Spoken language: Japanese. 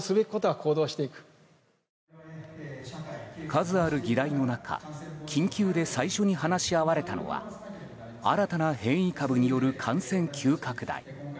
数ある議題の中緊急で最初に話し合われたのは新たな変異株による感染急拡大。